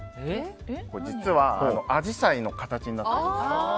実は、アジサイの形になってるんです。